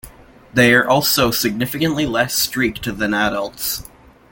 They are also significantly less streaked than adults.